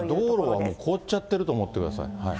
道路がもう凍っちゃってると思ってください。